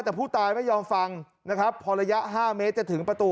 แต่ผู้ตายไม่ยอมฟังนะครับพอระยะ๕เมตรจะถึงประตู